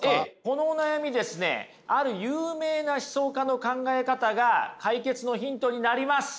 このお悩みですねある有名な思想家の考え方が解決のヒントになります！